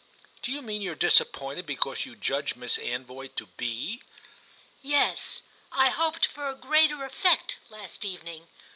"Do you mean you're disappointed because you judge Miss Anvoy to be?" "Yes; I hoped for a greater effect last evening.